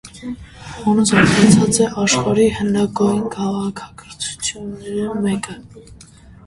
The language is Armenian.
Հոն զարգացած է աշխարհի հնագոյն քաղաքակրթութիւններէն մէկը։